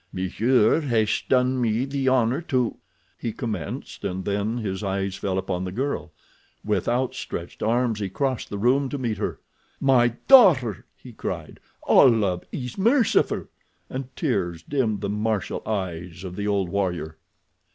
"Monsieur has done me the honor to—" he commenced, and then his eyes fell upon the girl. With outstretched arms he crossed the room to meet her. "My daughter!" he cried. "Allah is merciful!" and tears dimmed the martial eyes of the old warrior.